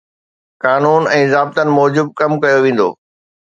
قانون ۽ ضابطن موجب ڪم ڪيو ويندو.